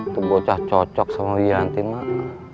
tuh bocah cocok sama wianti mak